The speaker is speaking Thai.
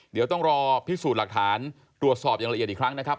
เดี๋ยวต้องรอพิสูจน์หลักฐานตรวจสอบอย่างละเอียดอีกครั้งนะครับ